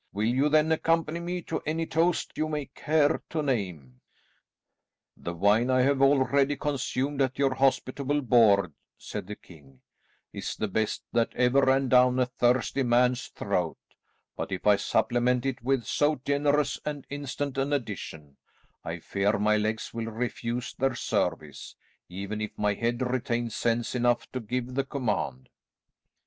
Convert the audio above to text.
Will you then accompany me to any toast you may care to name?" "The wine I have already consumed at your hospitable board," said the king, "is the best that ever ran down a thirsty man's throat; but if I supplement it with so generous and instant an addition, I fear my legs will refuse their service, even if my head retain sense enough to give the command."